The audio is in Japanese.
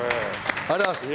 ありがとうございます。